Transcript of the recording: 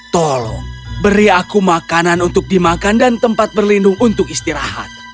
tolong beri aku makanan untuk dimakan dan tempat berlindung untuk istirahat